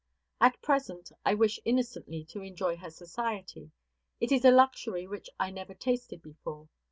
At present, I wish innocently to enjoy her society; it is a luxury which I never tasted before.